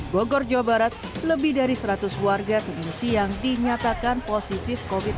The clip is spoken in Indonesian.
bogor jawa barat lebih dari seratus warga senin siang dinyatakan positif covid sembilan belas